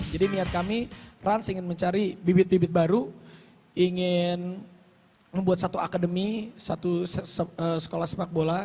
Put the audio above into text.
jadi niat kami rans ingin mencari bibit bibit baru ingin membuat satu akademi satu sekolah sepak bola